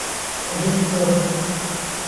Viradouro